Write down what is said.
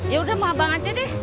yaudah mau abang aja deh